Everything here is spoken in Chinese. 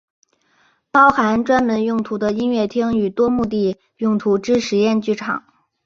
包含专门用途的音乐厅与多目的用途之实验剧场。